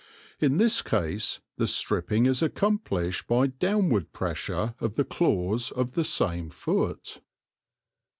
In this case the stripping is accomplished by downward pressure of the claws of the same foot.